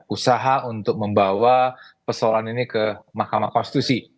usaha untuk membawa persoalan ini ke mahkamah konstitusi